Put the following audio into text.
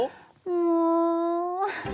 もう！